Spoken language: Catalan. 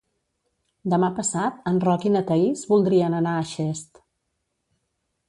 Demà passat en Roc i na Thaís voldrien anar a Xest.